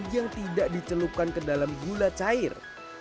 yang tidak dicelupkan ke dalam gula cair